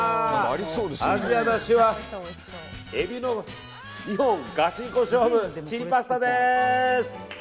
味は、だしはエビの２本ガチンコ勝負チリパスタです。